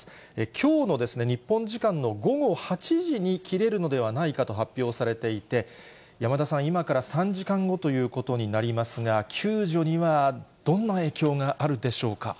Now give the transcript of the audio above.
きょうの日本時間の午後８時に切れるのではないかと発表されていて、山田さん、今から３時間後ということになりますが、救助にはどんな影響があるでしょうか。